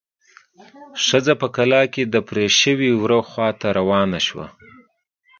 ښځه په کلا کې د پرې شوي وره خواته روانه شوه.